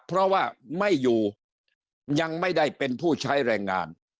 เพราะว่าไม่อยู่ยังไม่ได้เป็นผู้ใช้แรงงาน